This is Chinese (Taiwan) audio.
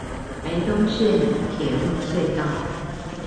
台東線鐵路隧道